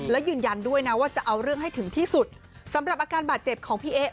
และยืนยันด้วยนะว่าจะเอาเรื่องให้ถึงที่สุดสำหรับอาการบาดเจ็บของพี่เอ๊ะ